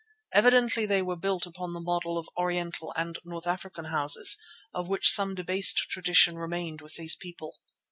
Evidently they were built upon the model of Oriental and North African houses of which some debased tradition remained with these people.